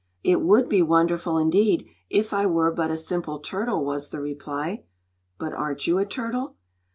"It would be wonderful, indeed, if I were but a simple turtle," was the reply. "But aren't you a turtle?"